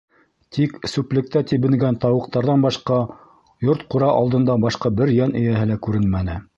Тик сүплектә тибенгән тауыҡтарҙан башҡа, йорт-ҡура алдында башҡа бер йән эйәһе лә күренмәне.